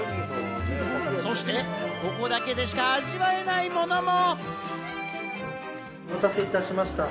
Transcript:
そしてここだけでしか味わえないものも！